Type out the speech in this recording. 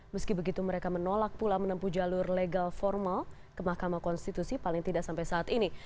meski begitu mereka menolak pula menempuh jalur legal formal ke mahkamah konstitusi paling tidak sampai saat ini